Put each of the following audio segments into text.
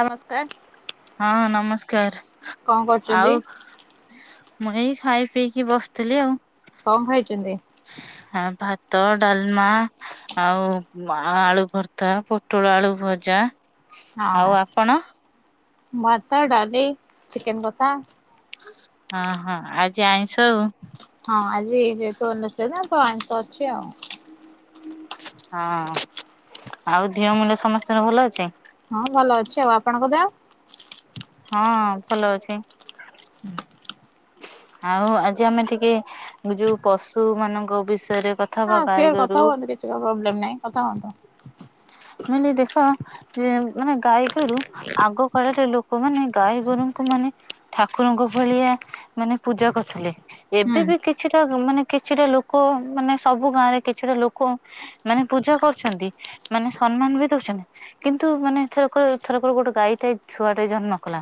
ନମସ୍କାର। ହଁ ନମସ୍କାର କଣ କରୁଛନ୍ତି ଆଉ। ମୁଁ ଏଇ ଖାଇ ପିଇକି ବସିଥିଲି ଆଉ। କଣ ଖାଇଛନ୍ତି? ହଁ ଭାତ ଡାଲମା। ଆଉ ଆଳୁ ଭର୍ତା ପୋଟଳ ଆଳୁ ଭଜା। ଆଉ ହଁ ଆପଣ? ଭାତ ଡାଲି ଚିକେନ କସା। ହଁ ହଁ ଆଜି ଆଇଁଷ ଆଉ। ହଁ ଆଜି ଯେହେତୁ [unintelligible] ଅଛି ଆଉ। ହଁ ଆଉ ଦିହ ମୁଣ୍ଡ ସମସ୍ତଙ୍କର ଭଲ ଅଛି? ହଁ ଭଲ ଅଛି ଆଉ ଆପଣଙ୍କ ଦେହ? ହଁ ଭଲ ଅଛି। ଆଉ ଆଜି ଆମେ ଟିକେ ଯୋଉ ପଶୁ ମାନଙ୍କ ବିଷୟରେ କଥା ହଁ ହବା ଗାଈ ସିୟର ଗୋରୁ କଥା ହୁଅନ୍ତୁ କିଛି ପ୍ରୋବ୍ଲେମ୍ ନାହିଁ କଥା ହୁଅନ୍ତୁ। ମାନେ ଦେଖ ଇଏ ମାନେ ଗାଈ ଗୋରୁ ଆଗ କାଳରେ ଲୋକମାନେ ଗାଈ ଗୋରୁଙ୍କୁ ମାନେ ଠାକୁରଙ୍କ ଭଳିଆ ମାନେ ପୂଜା କରୁଥିଲେ। ଏବେ ହୁଁ ବି କିଛିଟା, ମାନେ କିଛିଟା ଲୋକ, ମାନେ ସବୁ ଗାଁରେ କିଛିଟା ଲୋକ ମାନେ ପୂଜା କରୁଛନ୍ତି, ମାନେ ସମ୍ମାନ ବି ଦଉଛନ୍ତି। କିନ୍ତୁ ମାନେ ଏଥରକ ଏଥରକ ଗୋଟେ ଗାଈ ଟେ ଛୁଆଟେ ଜନ୍ମ କଲା।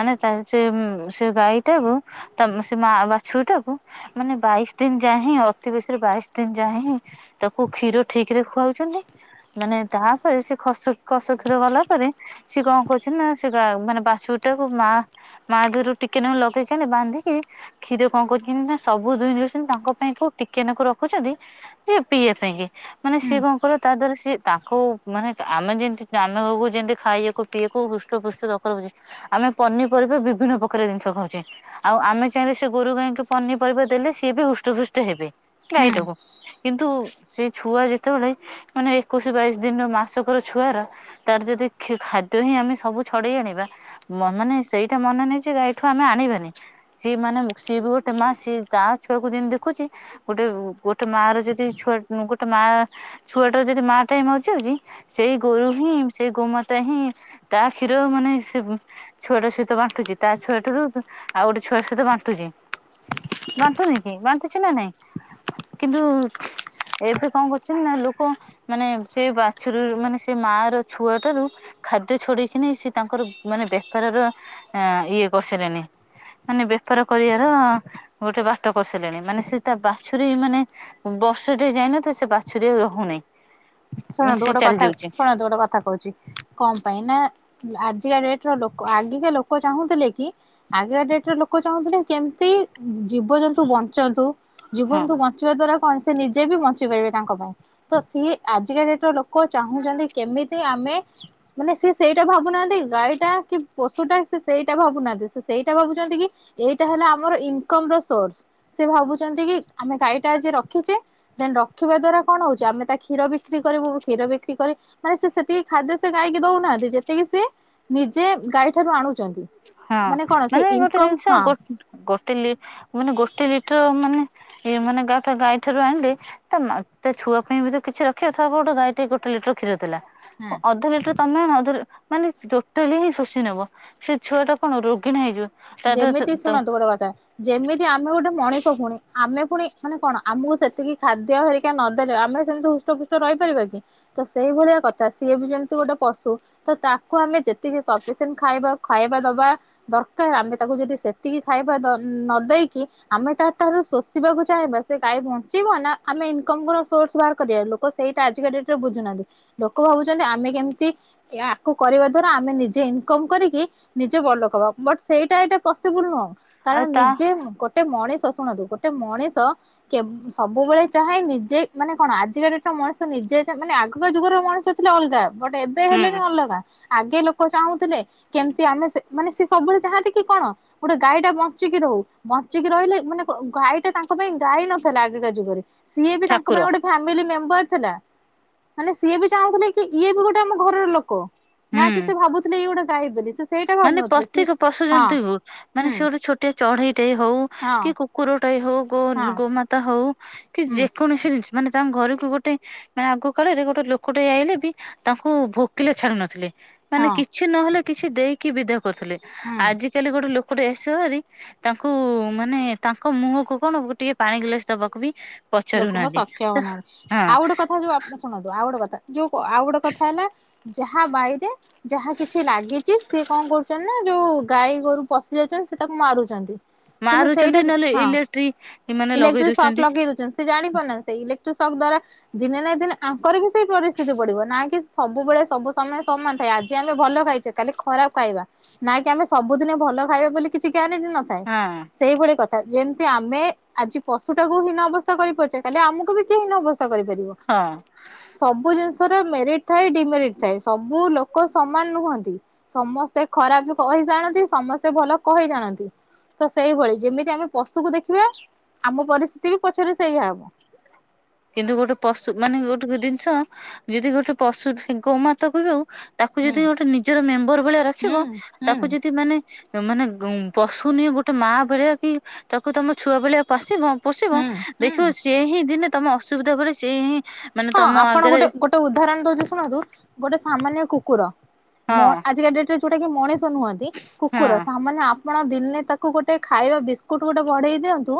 ମାନେ ତା ସେ ଉଁ, ସେ ଗାଈ ଟାକୁ ତା ମ-ସେ ମା ବାଛୁରୀ ଟାକୁ ମାନେ ବାଇଶ ଦିନ ଯାଏ ହିଁ, ଅତି ବେଶୀରେ ବାଇଶ ଦିନ ଯାଏ ହିଁ ତାକୁ କ୍ଷୀର ଠିକ ରେ ଖୁଆଉଛନ୍ତି। ମାନେ ତାପରେ ସେ ଖସ କସ କ୍ଷୀର ଗଲା ପରେ। ସିଏ କଣ କରୁଛନ୍ତି ନା ସେ ଗା-ମାନେ ବାଛୁରୀ ଟାକୁ ମା ମା ଦିହରୁ ଟିକେ ନାଖୁ ଲଗେଇ କେନେ ବାନ୍ଧିକି କ୍ଷୀର କଣ କରୁଛନ୍ତି ନା ସବୁ ଦୁଇଁ ନେଉସନ୍ତି, ତାଙ୍କ ପାଇଁ କୋଉ ଟିକେନାକୁ ରଖୁଛନ୍ତି। ଏ ପିଏ ସେଇ ଯେ ମାନେ ସିଏ ହୁଁ କଣ କରିବ ତା ଦିହରୁ ସିଏ ତାଙ୍କୁ ମାନେ ଆମେ ଯେମତି ଯେ ଆମକୁ ଯେମିତି ଖାଇବାକୁ ସିଏ କୋଉ ହୃଷ୍ଟ ପୃଷ୍ଟ ଦରକାର ହଉଛି, ଆମେ ପନିପରିବା ବିଭିନ୍ନ ପ୍ରକାର ଜିନିଷ ଖାଉଛେ। ଆଉ ଆମେ ଚାହିଁଲେ ସେ ଗୋରୁ ଗାଈଙ୍କୁ ପନିପରିବା ଦେଲେ ସିଏ ବି ହୃଷ୍ଟ ପୃଷ୍ଟ ହେବେ ହୁଁ ଗାଈଟାକୁ। କିନ୍ତୁ ସେଇ ଛୁଆ ଯେତେବେଳେ ମାନେ ଏକୋଇଶ ବାଇଶି ଦିନର ମାସକର ଛୁଆରା ତାର ଯଦି କ୍ଷୀ-ଖାଦ୍ୟ ହିଁ ଆମେ ସବୁ ଛଡ଼େଇ ଆଣିବା। ମ-ମାନେ ସେଇଟା ମନା ନାହିଁ ଯେ ଗାଈଠୁ ଆମେ ଆଣିବାନି। ସିଏ ମାନେ ସିଏ ବି ଗୋଟେ ମା ସିଏ ତା ଛୁଆକୁ ଯେମିତି ଦେଖୁଚି ଗୋଟେ ଗୋଟେ ମା ର ଯଦି ଛୁଆ ଗୋଟେ ମା ଛୁଆଟାର ଯଦି ମା ଟିଏ ମରିଯାଉଚି ସେଇ ଗୋରୁ ହିଁ ସେଇ ଗୋମାତା ହିଁ ତା କ୍ଷୀର ମାନେ ସେ ଛୁଆଟା ସିଏ ତ ବାଣ୍ଟୁଚି ତା ଛୁଆଠାରୁ, ତ ଆଉ ଗୋଟେ ଛୁଆ ସହିତ ବାଣ୍ଟୁଚି। ବାଣ୍ଟୁନି କି ବାଣ୍ଟୁଛି ନା ନାଇଁ? କିନ୍ତୁ ଏବେ କଣ କରୁଛନ୍ତି ନା ଲୋକ ମାନେ ସେ ବାଛୁରୀ ମାନେ ସେ ମା ର ଛୁଆଠାରୁ ଖାଦ୍ୟ ଛଡ଼େଇକି ନେଇ ସେ ତାଙ୍କର ମାନେ ବେପାରର ଏଁ, ଇଏ କରିସାଇଲେନି। ମାନେ ବେପାର କରିଆର ଗୋଟେ ବାଟ କରିସାରିଲେଣି, ମାନେ ସିଏ ତା ବାଛୁରୀ ମାନେ ବର୍ଷ ଟେ ଯାଇନଥିବ ସେ ବାଛୁରୀ ଆଉ ରହୁନାଇଁ। ଶୁଣନ୍ତୁ ଗୋଟେ କଥା, ଶୁଣନ୍ତୁ ଗୋଟେ କଥା କହୁଚି କଣ ପାଇଁ ନା ଆଜିକା ଡେଟ୍ ର ଲୋକ ଆଗିକା ଲୋକ ଚାହୁଁଥିଲେ କି ଆଗିକା ଡେଟ୍ ର ଲୋକ ଚାହୁଁଥିଲେ କେମିତି ଜୀବଜନ୍ତୁ ବଞ୍ଚନ୍ତୁ।। ଜୀବଜନ୍ତୁ ହଁ। ବନ୍ ଚିବା ଦ୍ଵାରା କଣ ସେ ନିଜେ ବି ବଞ୍ଚି ପାରିବେ ତାଙ୍କ ପାଇଁ। ତ ସିଏ ଆଜିକା ଡେଟ୍ ର ଲୋକ ଚାହୁଁଚନ୍ତି କେମିତି ଆମେ ମାନେ ସେ ସେଇଟା ଭାବୁନାହାନ୍ତି ଗାଈ ଟା କି ପଶୁଟା ସେ ସେଇଟା ଭାବୁନାହାନ୍ତି। ସେ ସେଇଟା ଭାବୁଛନ୍ତି କି ଏଇଟା ହେଲା ଆମର ଇନକମ୍ ର ସୋର୍ସ। ସେ ଭାବୁଚନ୍ତି କି ଆମେ ଗାଈ ଟା ଆଜି ରଖିଚେ, ଦେନ୍ ରଖିବା ଦ୍ଵାରା କଣ ହଉଛି ଆମେ ତା କ୍ଷୀର ବିକ୍ରି କରିବୁ, କ୍ଷୀର ବିକ୍ରି କରି ମାନେ ସେ ସେତିକି ଖାଦ୍ୟ ସେ ଗାଈକି ଦଉନାହାନ୍ତି, ଯେତିକି ସିଏ ନିଜେ ଗାଈ ଠାରୁ ଆଣୁଚନ୍ତି। ହଁ ମାନେ ଗୋଟେ ଜିନିଷ ଗୋ-ଗୋଟେ ଲି- ମାନେ ଗୋଟେ ଲିଟର୍ ମାନେ ଏ ମାନେ ଗାଠ ଗାଈ ଠାରୁ ଆଣିଲେ ତା ମା ତା ଛୁଆ ପାଇଁ ବି ତ କିଛି ରଖିବ। ଧର ଗୋଟେ ଗାଈଟେ ଗୋଟେ ଲିଟର୍ କ୍ଷୀର ଦେଲା। ହଁ ଅ, ଅଧ ଲିଟର୍ ତୋମେ ଅଧ ଲି-ମାନେ ଟୋଟାଲି ହିଁ ଶୋଷି ନେବ। ସେ ଛୁଆ ଟା କଣ ରୋଗୀଣା ହେଇଯିବ। ଦେହରେ ଯେମିତି ଶୁଣନ୍ତୁ ଗୋଟେ କଥା ଯେମିତି ଆମେ ଗୋଟେ ମଣିଷ ପୁଣି, ଆମେ ପୁଣି ମାନେ କଣ ଆମକୁ ସେତିକି ଖାଦ୍ୟ ହେରି ନଦେଲେ ଆମେ ସେମିତି ହୃଷ୍ଟପୃଷ୍ଟ ରହିପାରିବା କି? ତ ସେଇଭଳିଆ କଥା ସିଏ ବି ଯେମିତି ଗୋଟେ ପଶୁ ତ ତାକୁ ଆମେ ଯେତିକି ସପିସେଣ୍ଟ ଖାଇବା ଖାଇବା ଦବା, ଦର୍ କାର୍ ଆମେ ତାକୁ ଯଦି ସେତିକି ଖାଇବା ନ ଦେଇକି ଆମେ ତାଠାରୁ ଶୋଷିବାକୁ ଚାହିଁବା ସେ ଗାଈ ବ ଞ୍ଚିବ ନା ଆମେ ଇନକମ୍ ର ସୋର୍ସ ବାହାର କରିବା। ଲୋକ ସେଇଟା ଆଜିକା ଡେଟ୍ ରେ ବୁଝୁନାହାନ୍ତି। ଲୋକ ଭାବୁଛନ୍ତି ଆମେ କେମତି ୟାକୁ କରିବା ଦ୍ଵାରା ଆମେ ନିଜେ ଇନକମ୍ କରିକି ନିଜେ ବଡ଼ଲୋକ ହବା। ବଟ୍ ସେଇଟା ଏଇଟା ପସିବୁଲ୍ ନୁହଁ। ଆଉ କାରଣ ତା ନିଜେ ଗୋଟେ ମଣିଷ ଶୁଣନ୍ତୁ ଗୋଟେ ମଣିଷ କେ ସବୁବେଳେ ଚାହେଁ ନିଜେ ମାନେ କଣ ଆଜିକା ଡେଟ୍ ରେ ମଣିଷ ନିଜେ ମାନେ ଆଗକା ଯୁଗର ମଣିଷ ଥିଲେ ଅଲଗା। ବଟ୍ ଏବେ ହୁଁ ହେଲେଣି ଅଲଗା। ଆଗେ ଲୋକ ଚାହୁଁଥିଲେ କେମତି ଆମେ ସେ ମାନେ ସେ ସେ ସବୁବେଳେ ଚାହାନ୍ତି କି କଣ ଗୋଟେ ଗାଈ ଟା ବଞ୍ଚିକି ରହୁ। ବଞ୍ଚିକି ରହିଲେ ମାନେ କଣ ଗାଈଟା ତାଙ୍କ ପାଇଁ ଗାଈ ନଥିଲା ଆଗକା ଯୁଗରେ। ସିଏ ବି ତାଙ୍କ ଠାକୁର ପାଇଁ ଗୋଟେ ଫାମିଲି ମେମ୍ବର ଥିଲା। ମାନେ ସିଏ ବି ଚାହୁଁଥିଲେ କି ଇଏ ବି ଗୋଟେ ଆମ ଘରର ଲୋକ। ନା କି ହୁଁ। ସେ ଭାବୁଥିଲେ ଇଏ ଗୋଟେ ଗାଈ ବୋଲି। ସେ ସେଇ ମାନେ ପ୍ରତ୍ୟେକ ପଶୁ ଜନ୍ତୁ ହୋଉ, ମାନେ ହୁଁ ସେ ଗୋଟେ ଛୋଟିଆ ଚଢେଇ ଟେ ହଉ ହଁ କି କୁକୁର ଟାଇ ହଉ, ହଁ ଗୋମାତା ହଉ, କି ହୁଁ ଯେକୌଣସି ଜିନିଷ ମାନେ ତାଙ୍କ ଘରକୁୁ ଗୋଟେ ମାନେ ଆଗ କାଳରେ ଗୋଟେ ଲୋକଟେ ଆଇଲେ ବି ତାଙ୍କୁ ଭୋକିଲା ଛାଡ଼ୁ ନଥିଲେ। ମାନେ ହଁ କିଛି ନହେଲେ କିଛି ଦେଇକି ବିଦା କରୁଥିଲେ। ହୁଁ ଆଜି କାଲି ଗୋଟେ ଲୋକଟେ ଆସିବ ଯଦି ତାଙ୍କୁ ମାନେ ତାଙ୍କ ମୁହଁକୁ କଣ ଗୋଟିଏ ପାଣି ଗିଲାସ ଦବାକୁ ବି ଲୋକଙ୍କ ପଚାରୁନାହାନ୍ତି ସକ୍ଷମ ତ ନାହିଁ। ହଁ ଆଉ ଗୋଟେ କଥା ଯୋଉ ଆପଣ ଶୁଣନ୍ତୁ, ଆଉ ଗୋଟେ କଥା ଯୋଉ ଆଉ ଗୋଟେ କଥା ହେଲା ଯାହା ବାଇରେ ଯାହା କିଛି ଲାଗିଚି ସିଏ କଣ କରୁଛନ୍ତି ନା ଯୋଉ ଗାଈ ଗୋରୁ ପଶି ଯାଉଛନ୍ତି ସେ ତାକୁ ମାରୁଛନ୍ତି। କିନ୍ତୁ ସେଇଟା ମାରୁଛନ୍ତି ନହେଲେ ହଁ ଇଲେକ୍ଟ୍ରି ମାନେ ଲଗେଇ ଇଲେକ୍ଟ୍ରିକ୍ ସକ୍ ଦଉଛନ୍ତି ଲଗେଇଦ ସେ ଜାଣିପାରୁନାହାନ୍ତି ସେ ଇଲେକ୍ଟ୍ରି ସକ୍ ଦ୍ୱାରା ଦିନେ ନା ଦିନେ ଆଙ୍କର ବି ସେଇ ପରିସ୍ଥିତି ପଡିବ। ନା କି ସବୁବେଳେ ସବୁ ସମୟ ସମାନ ଥାଏ। ଆଜି ଆମେ ଭଲ ଖାଇଚେ କାଲି ଖରାପ ଖାଇବା। ନାଇ କି ଆମେ ସବୁଦିନେ ଭଲ ଖାଇବା ବୋଲି କିଛି ଗ୍ୟାରେଣ୍ଟି ନ ଥାଏ। ହଁ ସେଇଭଳି କଥା ଯେମତି ଆମେ ଆଜି ପଶୁଟାକୁ ହିନ ଅବସ୍ କରିପାରୁଚେ କାଲି ଆମକୁ ବି କେହି ହିନ ଅବସ୍ତା କରିପାରିବ। ହଁ। ସବୁ ଜିନିଷ ରେ ମେରିଟ୍ ଥାଏ ଡିମେରିଟ୍ ଥାଏ। ସବୁ ଲୋକ ସମାନ ନୁହନ୍ତି। ସମସ୍ତେ ଖରାପ କହି ଜାଣନ୍ତି ସମସ୍ତେ ଭଲ କହି ଜାଣନ୍ତି। ତ ସେଇଭଳି ଯେମିତି ଆମେ ପଶୁକୁ ଦେଖିବା, ଆମ ପରିସ୍ଥିତି ବି ପଛରେ ସେଇଆ ହବ। କିନ୍ତୁ ଗୋଟେ ପଶୁ ମାନେ ଗୋଟେ ଜିନିଷ ଯଦି ଗୋଟେ ପଶୁ ଗୋମାତାକୁ ବି ହଉ ତାକୁ ହୁଁ ଯଦି ଗୋଟେ ନିଜର ମେମ୍ବର ଭଳିଆ ହୁଁ ରଖିବ, ହୁଁ ତାକୁ ଯଦି ମାନେ ମାନେ ଗୁ ପଶୁ ନିହଁ ଗୋଟେ ମା ଭଳିଆ କି ତାକୁ ତମ ଛୁଆ ଭଳିଆ ପୋଶିିବ ପୋଷିବ ହୁଁ ହୁଁ ଦେଖିବ ସେ ହିଁ ଦିନେ ତମ ଅସୁବିଧା ବେଳେ ସେ ହିଁ ମାନେ ହଁ ତମ ଆପଣ ଆଗରେ ଗୋଟେ ଗୋଟେ ଉଦାହରଣ ଦଉଚି ଶୁଣନ୍ତୁ ଗୋଟେ ସାମାନ୍ୟ କୁକୁର ହଁ ମ ଆଜିକା ଡେଟ୍ ରେ ଯୋଉଟା କି ମଣିଷ ନୁହନ୍ତି ହଁ କୁକୁର ସାମାନ୍ୟ ଆ ଆପଣ ଦିନେ ତାକୁ ଗୋଟେ ଖାଇବା ବିସ୍କୁଟ ଗୋଟେ ବଢେଇ ଦିଅନ୍ତୁ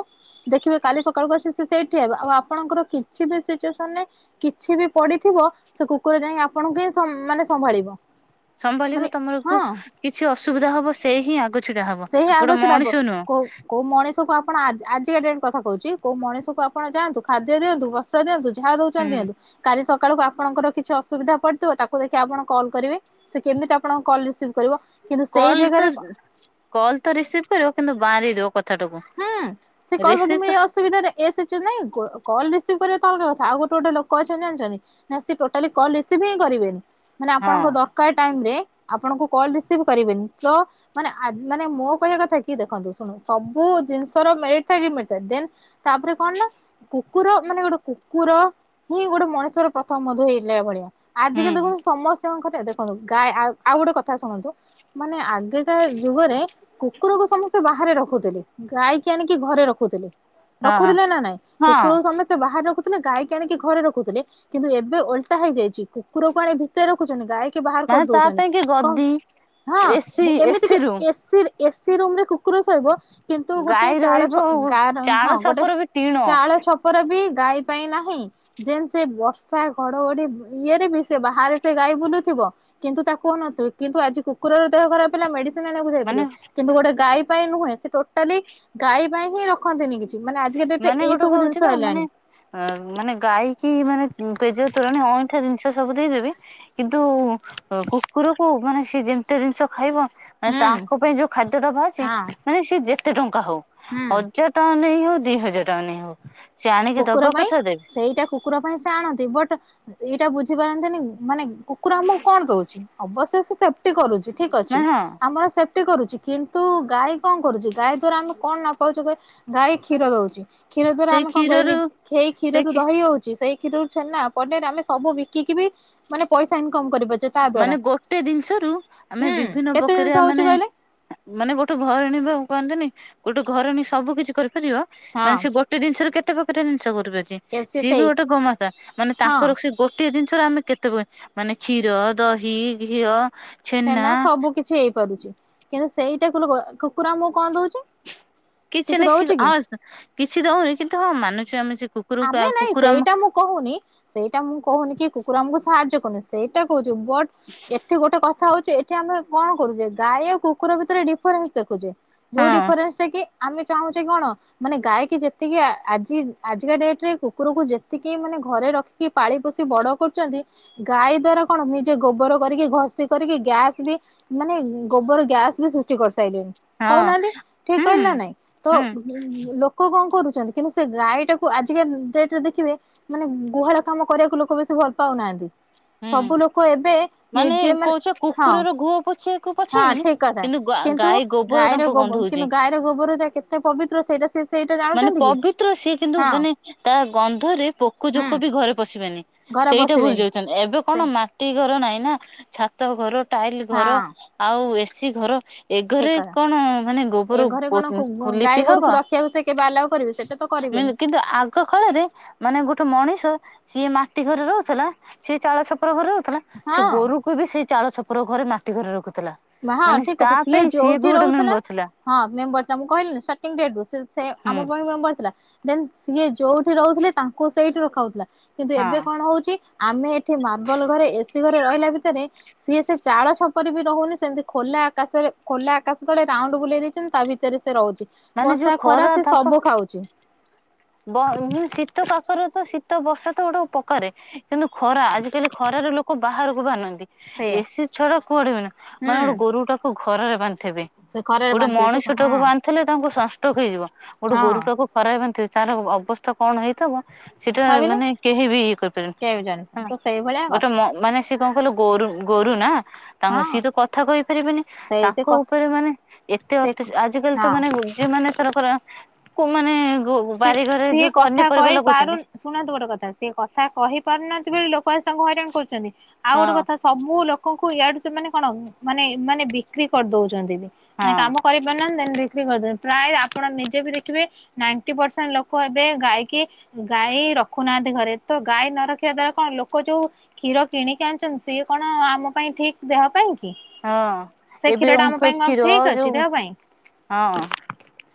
ଦେଖିବେ କାଲି ସକାଳୁ ଆସି ସେ ସେଇଠି ହବ। ଆଉ ଆପଣଙ୍କର କିଛି ବି ସିଚୁଏସନ୍ ରେ କିଛି ବି ପଡିଥିବ, ସେ କୁକୁର ଯାଇ ଆପଣଙ୍କୁ ହିଁ ସମ୍ ମାନେ ସମ୍ଭାଳିବ। ସମ୍ଭାଳିବ ମାନେ ତମକୁ ହଁ କିଛି ଅସୁବିଧା ହବ ସେଇ ହିଁ ଆଗ ଛିଡା ହବ। ସେଇ ଆଗ ଗୋଟେ ଛିଡା ହବ ମଣିଷ କୋଉ ନୁହଁ। କୋଉ ମଣିଷ କୁ ଆପଣ ଆଜ୍ ଆଜିକା ଡେଟ୍ କଥା କହୁଚି କୋଉ ମଣିଷକୁ ଆପଣ ଯାଆନ୍ତୁ ଖାଦ୍ୟ ଦିଅନ୍ତୁ ବସ୍ତ୍ର ଦିଅନ୍ତୁ ଯାହା ଦଉଛନ୍ତି ହୁଁ ଦିଅନ୍ତିୁ। କାଲି ସ ସକାଳ କୁ ଆପଣଙ୍କର କିଛି ଅସୁବିଧା ପଡିଥିବ, ତାକୁ ଦେଖିଆ ଆପଣ କଲ୍ କରିବେ, ସେ କେମିତି ଆପଣଙ୍କ କଲ ରିସିଭ୍ କରିବ। କିନ୍ତୁ ସେଇ ଜେଗାରେ କ କଲ୍ ତ ରିସିଭ୍ କରିବ କିନ୍ତୁ ବାଁରେଇ ଦବ କ ହୁଁ ସେ କହିବ କି ମୁଁ ଏଇ ଅ ସୁବିଧାରେ ଏସ୍ [unintelligible] ନାଇଁ କଲ ରିସିଭ କରିବା ତ ଅଲଗା କଥା ଆଉ ଗୋଟେ ଗୋଟେ ଲୋକ ଅଛନ୍ତି ଜାଣିଛନ୍ତି। ନା ସେ ଟୋଟାଲି କଲ ରିସିଭ୍ ହିଁ କରିବେନି ମାନେ ଆପଣଙ୍କ ହଁ ଦ କାର ଟାଇମରେ ଆପଣଙ୍କୁ କଲ ରିସିଭ କରିବେନି ସୋ ମାନେ ଆ ମାନେ ମୋ କହିବା କଥା କି ଦେଖନ୍ତୁ ଶୁଣନ୍ତୁ ସବ ବୁ ଜିନିଷ ର [unintelligible] ଦେନ ତାପରେ କଣ ନା କୁକୁର ମାନେ ଗୋଟେ କୁକୁର ହିଁ ଗୋଟେ ମଣିଷର ପ୍ରଥମ ବନ୍ଧୁହେଇଥିଲା ଭଳିଆ। ଆଜିକାଲି ହୁଁ ଦେଖନ୍ତୁ ସମସ୍ତଙ୍କ ଘରେ ଦେଖନ୍ତୁ ଗା ଆଉ ଗୋଟେ କଥା ଶୁଣନ୍ତୁ ମାନେ ଆ ଆଜିକା ଯୁଗରେ କୁକୁରକୁ ସମସ୍ତେ ବାହାରେ ରଖୁଥିଲେ ଗାଈ କି ଆ ଆଣିକି ଘରେ ରଖୁଥିଲେ ହଁ ରଖୁଥିଲେ ନା ନାଇଁ ହଁ କୁକୁର ସମେ ସେ ବାହାରେ ରଖୁଥିଲେ ଗାଈକି ଆଣିକି ଘରେ ରଖୁଥିଲେ। କିନ୍ତୁ ଏବେ ଓଲଟା ହେଇଯାଇଛି କୁକୁରକୁ ଆଣିକି ଭିତରେ ରଖୁଛନ୍ତି ଗାଈ କି ବାହାର ମାନେ ତା କରିଦଉଛନ୍ତି ପାଇଁ କି କଁ ଗଦି ହଁ ଏସି ଏମିତି ଏସି କି ରୁମ୍ ଏ ସି ରେ ଏ ସିି ରୁମ ରେ କୁକୁର ଶୋଇବ। କିନ୍ତୁ ଗୋଟେ ଗାଈ ଚାଳ ରହିବ ଛ ଗାର ଚାଳ ହଁ ଗୋଟେ ଛପର ବି ଟିଣ ଚାଳ ଛ ପର ବି ଗାଈ ପାଇଁ ନାହିଁ। ଦେନ୍ ସେ ବର୍ଷା ଘଡଘଡି ଇଏରେ ବି ସେ ବାହାରେ ସେ ଗାଈ ବୁଲୁଥିବ। କିନ୍ତୁ ତାକୁ ଅନୋଉଥିବେ କିନ୍ତୁ ଆଜି କୁକୁର ର ଦେହ ଖର ହେଲା ମେଡି ସିନ ଆଣିବାକୁ ଯାଇ ମାନେ ପାରିବ କିନ୍ତୁ ଗୋଟେ ଗାଈ ପାଇଁ ନୁହେ ଟୋଟାଲି ଗାଈ ପାଇଁ ହିଁ ର ରଖନ୍ତିନି କିଛି ମାନେ ଆଜିକା ଡେଟ ରେ ମାନେ ଗୋଟେ ଏଇସବୁ କହୁଛି ବା ଜିନିଷ ମାନେ ହେଲାଣି। ଅ ମାନେ ଗାଈକି ମାନେ ପେଜ ତୋରାଣି ଅଇଁଠା ଜିନିଷ ସବୁ ଦେଇଦେବି କିନ୍ତୁ କୁକୁରକୁ ମାନେ ସିଏ ଯେମତିଆ ଦିନିଷ ଖାଇବ ମାନେ ହୁଁ ତାଙ୍କ ପାଇଁ ଯୋଉ ଖାଦ୍ୟ ଟା ବାହାରିଛି ହଁ ମାନେ ସିଏ ଯେତେ ଟଙ୍କା ହଉ ହୁଁ। ହଜାର ଟଙ୍କା ନେଇ ହଉ ଦିଇ ହଜାର ଟଙ୍କା ନେଇ ହବ ସିଏ ଆଣିକି କୁକୁର ଦବା ପାଇଁ କଥା ଦେ। ସେଇଟା କୁକୁର ପାଇଁ ସେ ଆଣନ୍ତି ବଟ ଏଇଟା ବୁଝିପାରନ୍ତିନି ମାନେ କୁକୁର ଆମକୁ କଣ ଦଉଛି ଅବଶ୍ୟ ସେ ସେଫଟି କରୁଚି। ଠିକ ନା ଅଛି ହଁ ଆମର ସେ ପଟି କରୁଛି କିନ୍ତୁ ଗାଈ କଣ କରୁଛି ଗାଈ ଦ୍ଵାରା ଆମେ କଣ ନ ପାଉଚୁ କହି ଗାଈ କ୍ଷୀର ଦଉଛି କ୍ଷୀର ଦ୍ଵାରା ସେଇ ଆମେ କଣ କରିବା ନି କ୍ଷୀରରୁ ସେଈ ସେ କ୍ଷୀରରୁ କ୍ଷୀ ଦହି ହୋଉଚି ସେଇ କ୍ଷୀରରୁ ଛେନା ପନିର ଆମେ ସବୁ ବିକିକି ବି ମାନେ ପଇସା ଇନକମ କରିପାରୁ ମାନେ ଗୋଟେ ଜିନିଷରୁ ଆମେ ହୁଁ ବିଭିନ୍ନ କେତେ ଜିନିଷ ପକାରିଆ ହଉଛି ମାନେ କହିଲେ ମାନେ ଗୋଟେ ଘରେଣୀ ଯୋଉ କହନ୍ତିନି ଗୋଟେ ଘରଣୀ ସବୁ କିଛି କରିପାରିବ। ହଁ ମାନେ ସେ ଗୋ ଗୋଟେ ଜିନିଷରୁ କେତେ ପ୍ରକାରଆ ଜିନିଷ କରିପାରୁଚି। କେ ସେ ସିଏ ବି ସେଇ ଗୋଟେ ଗୋମାତା ମାନେ ହଁ ତାଙ୍କର ସେ ଗୋ ଟିଏ ଜିନିଷରେ ଆମେ କେତେ ପ୍ରକାର ମାନେ କ୍ଷୀର ଦହି ଘିଅ ଛେନା ସବୁ କିଛି ହେଇପାରୁଛି କିନ୍ତୁ ସେଇଟା କୁ [unintelligible] କୁକୁର ଆମକୁ କଣ ଦଉଚି। କିଛି ନାହିଁ ସିଏ ହଁ କିଛି ଦଉନି କିନ୍ତୁ ହଁ ମାନୁଛୁ ଆମେ ସେ କୁ ଆମେ ନାଇଁ ସେଇଟା ମୁଁ କହୁନି ସେଇଟା ମୁଁ କହୁନି କି କୁକୁର ଆମକୁ ସାହାଯ୍ୟ କରୁନି। ସେ ଟା କହୁଛୁ ବଟ ଏଠି ଗୋଟେ କଥା ହଉଚେ ଏଠି ଆମେ କଣ କରୁଛେ ଗାଈ ଆଉ କୁକୁର ଭିତରେ ଡିଫରେନ୍ସ ଦେଖୁଛେ ଯୋଉ ହଁ ଡିଫରେନ୍ସ ଟା କି ଆମେ ଚାହୁଁଛେ କଣ ମାନେ ଗାଈକି ଯେତିକି ଆ ଆଜି ଆ ଆଜିକା ଡେଟରେ କୁକୁରକୁ ଯେତିକି ମାନେ ଘରେ ରଖିକି ପାଳି ପୋଷି ବଡ଼ କରୁଚନ୍ତି। ଗାଈ ଦ୍ଵାରା କଣ ନିଜେ ଗୋବର କରିକି ଘଷି କରିକି ଗ୍ୟାସ ବି ମାନେ ଗୋବର ଗ୍ୟାସ ବି ସୁସ୍ ଚି କରି ସାଇଲିନ୍ ହଁ କହୁନାହାନ୍ତି ଠିକ ହୁଁ କହିଲି ନା ନାଇଁ ତ ହୁଁ ଲୋ କ କଣ କରୁଛନ୍ତି କିନ୍ତୁ ସେ ଗାଈଟା ଉ ଆଜିକା ଡେଟରେ ଦେଖିବେ ମାନେ ଗୁହାଳ କାମ କରିବାକୁ ଲୋକ ବେଶୀ ଭଲ ପାଉନାହାନ୍ତି। ସବୁ ହୁଁ ଲୋକ ଏବେ ମାନେ ନିଜେ ମାନ କହୁଛ ହଁ କୁକୁରର ଘୁଅ ପୋଛିବାକୁ ହଁ ପଛେଇବେନି ଠି କଥା ଗା କିନ୍ତୁ ଗାଈ ଗୋବର ଗାଈର ତାଙ୍କୁ ଗୋବ କିନ୍ତୁ ଗନ୍ଧଉଛି। ଗାଈ ଗୋବର ଯେ କେତେ ପବିତ୍ର ସେଇଟା ସେ ସେଇଟା ଜାଣୁଛନ୍ତି କି। ତ୍ର ସିଏ କିନ୍ତୁ ହଁ ମାନେ ତା ଗନ୍ଧରେ ପୋକ, ହୁଁ ଜୋକ ବି ଘରେ ପଶିବେନି। ଘରେ ସେଇଟା ଭୁଲି ପଶିବେନି ଯାଉଛନ୍ତି ଏବେ କଣ ସେ ମା ମାଟି ଘର ନାଇଁ ନା ଛାତ ଘର, ଟାଇଲ ହଁ ଘର ଆଉ ଏ ସି ଘର। ଏ ଠିକ ଘରେ କଥା କଣ ମାନେ ଏ ଗୋବର ପୋ ଇଁ ଲିପି ହବ। କେ ବାଲା [unintelligible] କିନ୍ତୁ ଆ ଏକ କାଳରେ ମାନେ ଗୋଟେ ମଣିଷ ସିଏ ମାଟି ଘରେ ରହୁଥିଲା ସିଏ ଚାଳ ଛପର ଘରେ ରହୁଥିଲା। ସେ ହଁ ଗୋରୁକୁ ବି ସେଇ ଚାଳ ଛପର ଘରେ ମାଟି ଘରେ ରଖୁଥିଲା। ମା ହଁ ମାନେ ଠିକ ତା କଥା ସିଏ ପାଇଁ ବି ଯୋଉଠି ଗୋଟେ ରହୁଥିଲା। ମେମ୍ବର ଥିଲା ହଁ ମେମ୍ବର ଥିଲା ମୁଁ କହିଲିନି ଷ୍ଟାର୍ଟିଙ୍ଗ ଗେଟ୍ ରୁ ସେ ସେ ହୁଁ ଆମ ପାଇଁ ମେମ୍ବର ଥିଲା। ଦେନ ସିଏ ଯୋଉଠି ରହୁଥିଲେ ତାଙ୍କୁ ସେଇଠି ରଖାହଉଥିଲା କିନ୍ତୁ ହଁ ଏବେ କଣ ହଉଛି। ଆମେ ଏଠି ମାର୍ବଲ ଘରେ, ଏ ସିି ଘରେ ରହିଲା ଭିତରେ ସିଏ ସେ ଚାଳ ଛପର ବି ରହୁନି ସେମତି ଖୋଲା ଆକାଶରେ ଖୋଲା ଆକାଶ ତଳେ ରାଉଣ୍ଡ ବୁଲେଇ ଦେଇଛନ୍ତି ତା ଭିତରେ ସେ ରହୁ ଚି ମାନେ ଯୋଉ ବର୍ଷା, ଖରା ସେ ତାପ ସବୁ ଖାଉଛି। ବ ଉଁ ଶୀତ, କାକର ତ ଶୀତ, ବର୍ଷା ତ ଗୋଟେ ପକାରେ। କିନ୍ତୁ ଖରା ଆଜିକାଲି ଖରାରେ ଲୋକ ବାହାରକୁ ବାହାରୁ ନାହାନ୍ତି। ସେଇଆ ଏ ସିି ଛଡା କୁଆଡେ ବି ନୁହ ହୁଁ ମାନେ ଗୋଟେ ଗୋରୁ ଟାକୁ ଖରା ରେ ବାନ୍ଧିଥିବେ। ସେ ଖରାରେ ଗୋଟେ ବାନ୍ତି ସେ ମଣିଷ ହଁ ଟାକୁ ବାନ୍ଧିଥିଲେ ତାଙ୍କୁ ସଂନଷ୍ଟୋକ ହେଇଯିବ ଗୋଟେ ହଁ ଗୋରୁ ଟାକୁ ଖରାରେ ବାନ୍ଧି ତାର ଅବସ୍ଥା କଣ ହେଇଥିବ। ସେଇଟା ଭାବିଲେ ମାନେ କେହି ବି ଇଏ କରିପାରନ କେବେ ଜାଣିପାରୁନି ହଁ ତ ସେଇଭଳିଆ ଗୋଟେ କଥା ମ ମାନେ ସ ସେ କଣ କହିଲ ଗୋରୁ ଗୋରୁ ନା ତାଙ୍କ ହଁ ସିଏ ତ କଥା କହିପାରିବେନି। ସେଇ ସେ ତାଙ୍କ କଥା ଉପରେ ମାନେ ଏତେ ସେ ଅତ୍ୟାଚା ଆଜିକାଲି ତ ହଁ। ମାନେ ଉଁ ଯେଉ ମାନେ ଏଥରକର। କୋଉ ମାନେ ଗୁ ସି ବାରିଘରେ ସିଏ ଯୋଉ କଥା ପନିପରିବା କହି ପାରୁ ଲଗଉଛନ୍ତି। ଶୁଣନ୍ତୁ ଗୋଟେ କଥା ସେ କଥା କହିପାରୁନାହାନ୍ତି ବୋଲି ଲୋକ ଆଜି ତାଙ୍କୁ ହଇରାଣ କରୁଛନ୍ତି ଆଉ ହଁ ଗୋଟେ କଥା ସବୁ ଲୋକଙ୍କୁ ଇଆଡୁ ସୋନେ କଣ ମାନେ ଏମାନେ ବିକ୍ରି କରିଦଉଛନ୍ତି ବି ହଁ ମାନେ କାମ। କରିପାରୁନାହାନ୍ତି ଦେନ ବିକ୍ରି କରିଦେବେ ପ୍ରାୟ ଆପଣ ନିଜେ ବି ଦେଖିବେ ନାଇ ଫିଫ୍ଟି ପରସେଣ୍ଟ ଲୋକ ଏବେ ଗାଇ କି। ଗାଈ ରଖୁନାହାନ୍ତି ଘରେ ତ ଗାଈ ନ ରଖିବା ଦ୍ଵାରା କଣ ଲୋକ ଯୋଉ। କ୍ଷୀର କିଣିକି ଆଣିଛନ୍ତି ସିଏ କଣ ଆମ ପାଇଁ ଠିକ ଦେହ ପାଇଁ। ହୁଁ ହଁ ସେ ଏବେ କ୍ଷୀର ଟା ଆମ ଓମଫେଡ ପାଇଁ କଣ କ୍ଷୀର ଠିକ ଅଛି ଯୋଉ ଦେହ ପାଇଁ? ହଁ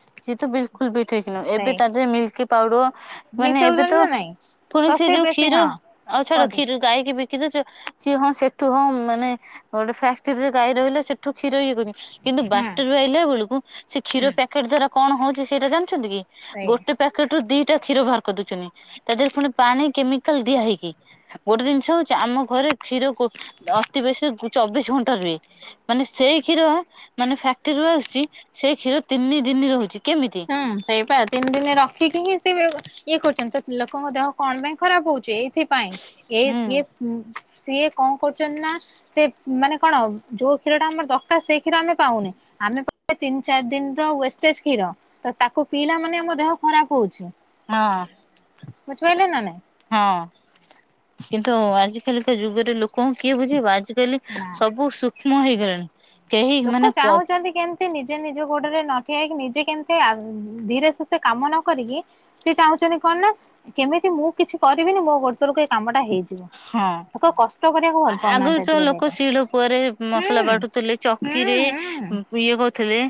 ସିଏ ତ ବିଲକୁଲ ବି ଠିକ ନୁହେଁ ଏବେ ସେଇ ତା ଦେହରେ ମିଲ୍କି। ପାଉଡର ମାନେ ଏବେ ମିଶଉଛନ୍ତି ତ ନା ନାଇଁ? ତ ପୁଣି ସେ ଯୋଉ ବେଶୀ କ୍ଷୀର ହଁ ଆଉ ଛାଡ କୁହନ୍ତୁ। କ୍ଷୀର। ଗାଈକି ବିକି ଦଉଚୁ ସିଏ ହଁ ସେଠୁ ହଁ ମାନେ ଗୋଟେ ଫ୍ୟାକ୍ଟରିରେ ଗାଈ ରହିଲେ ସେ ଠୁ କ୍ଷୀର ଇଏ କରୁଛନ୍ତି କିନ୍ତୁ ହୁଁ। ବାଟରୁ ଆଇଲା ବେଳକୁ ସେ କ୍ଷୀର ହୁଁ। ପ୍ୟା କେଟ ଦ୍ଵାରା କଣ ହଉଛି ସେଇଟା ଜାଣିଛନ୍ତି କି ସେଇଆ। ଗୋଟେ। ପ୍ୟାକେଟ ରୁ ଦିଟା କ୍ଷୀର ବାହାର କରିଦଉଛନ୍ତି ତା ଦେହରୁ ପୁଣି ପାଣି, କେମିକାଲ ଦିଆ ହେଇକି। ଗୋଟେ ଜିନିଷ ହଉଛି ଆମ ଘରେ କ୍ଷୀର ଗୁ ଅତି ବେଶୀ ଗୁ ଚବିଶ ଘଣ୍ଟା ରୁହେ ମାନେ ସେଇ କ୍ଷୀର ମାନେ ଫ୍ୟାକ୍ଟ୍ରିରୁୁ ଆସୁଛି। ସେଇ କ୍ଷୀର ତିନି ଦିନି ରହୁଛି କେମିତି। ହୁଁ ସେଇପା ତିନ ଦିନି ରଖିକି ହିଁ ସେ ଇଏ କରୁଚନ୍ତି ତ ଲୋକଙ୍କ ଦେହ କଣ ପାଇଁ ଖରାପ ହଉ ଚେଇଥିପାଇଁ ଏଇ ହୁଁ ସିଏ ଉଁ ସିଏ କଁ କରୁଚନ୍ତି ନା ସେ ମାନେ କଣ ଯୋଉ କ୍ଷୀର ଟା ଆମର ଦରକାର ସେଇ କ୍ଷୀର ଆମେ ପାଉନେ। ଆମେ ପାଉଚେ ତିନି ଚାରି ଦିନ ର ୱେଷ୍ଟେଜ କ୍ଷୀର। ତ ତାକୁ ପିଇଲା ମାନେ ଆମ ଦେହ ଖରାପ ହଉଚି। ହଁ। ବୁଝିପାଇଲୁ ନା ନାଇଁ ହଁ କିନ୍ତୁ ଆଜିକାଲିିକା ଯୁଗରେ ଲୋକଙ୍କୁ କିଏ ବୁଝେଇବ ଆଜିକାଲି ନାଁ। ବହୁତ ସୂକ୍ଷ୍ମ ହେଇଗଲେଣି କେହି ମାନେ କ ସେ ନିଜେ ନିଜ ଗୋଡରେ ନ ଠିଆ ହେଇକି ନିଜେ କେମିତି ଆ ଧୀରେ ସୁସ୍ଥେ କାମ ନ କରିକି ସେ ଚାହୁଁଛନ୍ତି କଣ ନା କେମିତି ମୁଁ କିଛି କରିବିନି ମୋ ଗୋଡ଼ ତଳକୁ ଏ କାମ ଟା ହେଇଚି। ହଁ ଆ ପାଉନାହାନ୍ତି ଆଗୁରୁ ତ ଆଜିକା ଡେଟ୍ ଲୋକ ରେ ଶିଳପୁଆରେ ମସଲା ହୁଁ ବାଟୁଥିଲି ଚ ହୁଁ କିିରେ ହୁଁ। ଇଏ କହୁଥିଲେ